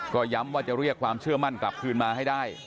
ก็ย้ำว่าจะเรียกความเชื่อมั่นกลับคืนมาให้ได้